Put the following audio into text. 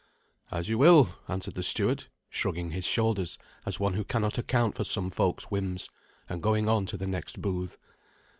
"As you will," answered the steward, shrugging his shoulders as one who cannot account for some folk's whims, and going on to the next booth.